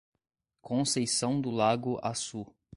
Conceição do Lago Açu